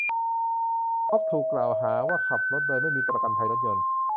บ๊อบถูกกล่าวหาว่าขับรถโดยไม่มีประกันภัยรถยนต์